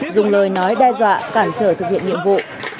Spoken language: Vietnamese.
dùng lời nói đe dọa cản trở thực hiện nhiệm vụ